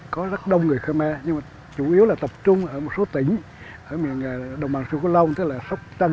với du khách gần xa